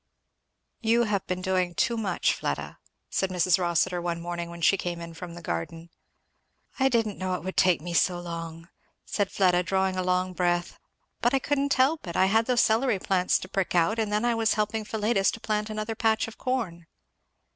"You have been doing too much, Fleda," said Mrs. Rossitur one morning when she came in from the garden. "I didn't know it would take me so long," said Fleda drawing a long breath; "but I couldn't help it. I had those celery plants to prick out, and then I was helping Philetus to plant another patch of corn."